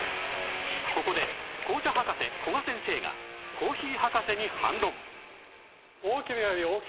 ここで紅茶博士古賀先生がコーヒー博士に反論